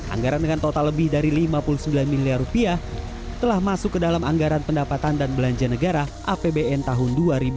anggaran dengan total lebih dari lima puluh sembilan miliar rupiah telah masuk ke dalam anggaran pendapatan dan belanja negara apbn tahun dua ribu dua puluh